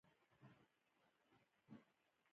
انسانانو پخوا له وحشي ژوو سره یو ځای ژوند کاوه.